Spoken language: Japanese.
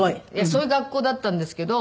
そういう学校だったんですけど